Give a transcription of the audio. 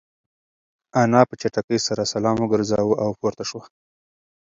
انا په چټکۍ سره سلام وگرځاوه او پورته شوه.